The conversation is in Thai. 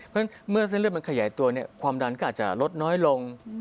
เพราะฉะนั้นเมื่อเส้นเลือดมันขยายตัวความดันก็อาจจะลดน้อยลง